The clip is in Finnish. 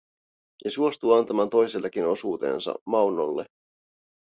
Ja suostuu antamaan toisellekin osuutensa, Maunolle.